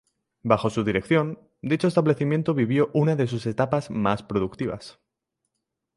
Bajo su dirección, dicho establecimiento vivió una de sus etapas más productivas.